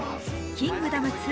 「キングダム２